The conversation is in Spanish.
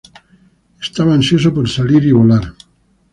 Estaba ansioso por salir y volar.